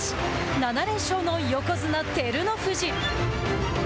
７連勝の横綱・照ノ富士。